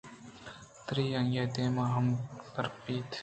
تُری آئی ءِ دل ہم دربَیئت